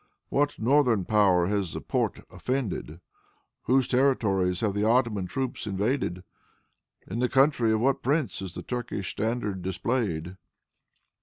What northern power has the Porte offended? Whose territories have the Ottoman troops invaded? In the country of what prince is the Turkish standard displayed?